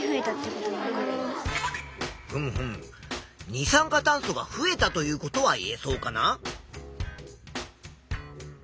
二酸化炭素が増えたということは言えそうかな。